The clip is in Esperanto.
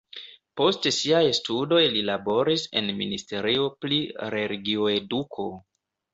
Post siaj studoj li laboris en ministerio pri religio-eduko.